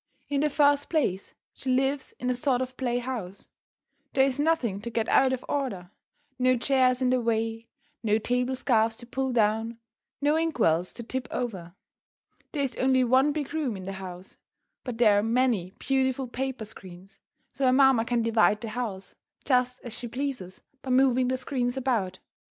In the first place, she lives in a sort of play house. There is nothing to get out of order; no chairs in the way, no table scarfs to pull down, no ink wells to tip over. There is only one big room in the house, but there are many beautiful paper screens, so her mamma can divide the house just as she pleases by moving the screens about.